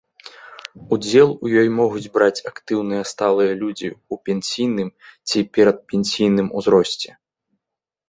Удзел у ёй могуць браць актыўныя сталыя людзі ў пенсійным ці перадпенсійным узросце.